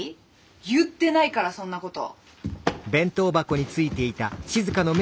言ってないからそんなこと。